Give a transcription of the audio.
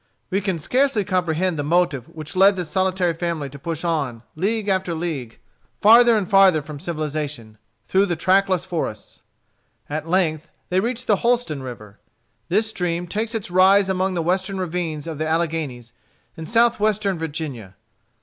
We can scarcely comprehend the motive which led this solitary family to push on, league after league, farther and farther from civilization, through the trackless forests. At length they reached the Holston River. This stream takes its rise among the western ravines of the Alleghanies, in Southwestern Virginia.